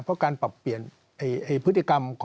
เพราะการปรับเปลี่ยนพฤติกรรม